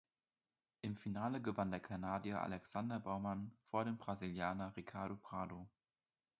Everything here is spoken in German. Im Finale gewann der Kanadier Alexander Baumann vor dem Brasilianer Ricardo Prado.